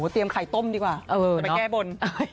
ไปแก้บน